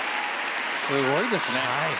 すごいですね。